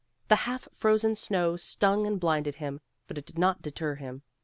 The half frozen snow stung and blinded him, but it did not deter him.